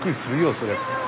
そりゃ。